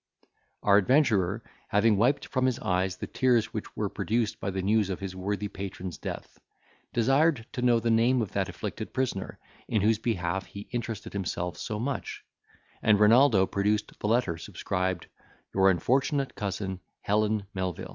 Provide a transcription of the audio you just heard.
Our adventurer having wiped from his eyes the tears which were produced by the news of his worthy patron's death, desired to know the name of that afflicted prisoner, in whose behalf he interested himself so much, and Renaldo produced the letter, subscribed, "Your unfortunate cousin, Helen Melvil."